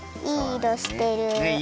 いいいろしてる。